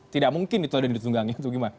tidak mungkin itu ada ditunggangi